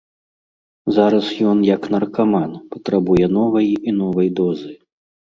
Зараз ён, як наркаман, патрабуе новай і новай дозы.